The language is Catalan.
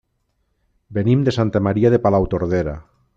Venim de Santa Maria de Palautordera.